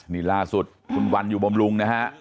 นี่ล่าสุดคุณวันอยู่บำรุงนะฮะ